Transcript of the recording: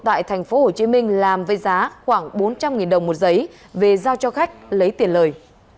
tại thành phố hồ chí minh làm với giá khoảng bốn trăm linh đồng một giấy về giao cho khách lấy tiền lời